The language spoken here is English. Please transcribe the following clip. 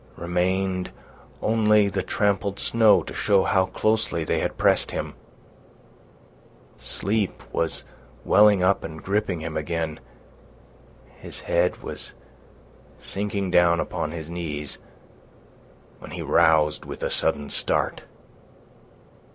Remained only the trampled snow to show how closely they had pressed him. Sleep was welling up and gripping him again, his head was sinking down upon his knees, when he roused with a sudden start.